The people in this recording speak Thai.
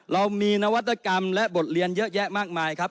เรามีนวัตกรรมและบทเรียนเยอะแยะมากมายครับ